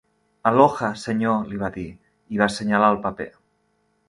Aloha, senyor —li va dir, i va assenyalar el paper—.